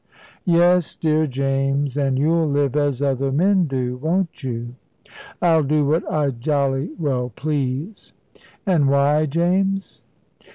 "Yes, dear James, and you'll live as other men do, won't you?" "I'll do what I jolly well please. An' why James?"